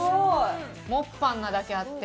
モッパンなだけあって。